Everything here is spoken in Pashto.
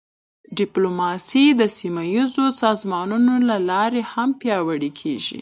ډیپلوماسي د سیمهییزو سازمانونو له لارې هم پیاوړې کېږي.